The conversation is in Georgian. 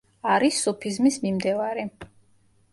არის სუფიზმის მიმდევარი.